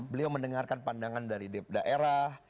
beliau mendengarkan pandangan dari daerah